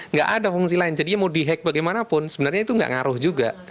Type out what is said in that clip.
nggak ada fungsi lain jadinya mau di hack bagaimanapun sebenarnya itu nggak ngaruh juga